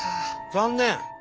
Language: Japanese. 残念。